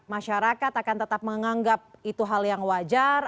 masyarakat akan tetap menganggap itu hal yang wajar